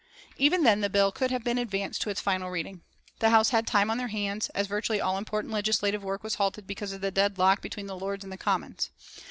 Even then the bill could have been advanced to its final reading. The House had time on their hands, as virtually all important legislative work was halted because of the deadlock between the Lords and the Commons.